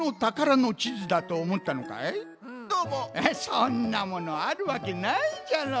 そんなものあるわけないじゃろ。